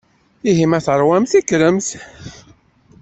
Ihi ma teṛwamt kkremt.